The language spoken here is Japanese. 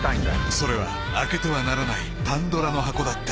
［それは開けてはならないパンドラの箱だった］